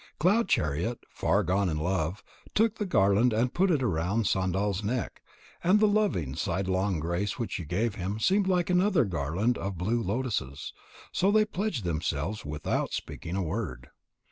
Cloud chariot, far gone in love, took the garland and put it around Sandal's neck. And the loving, sidelong glance which she gave him seemed like another garland of blue lotuses. So they pledged themselves without speaking a word.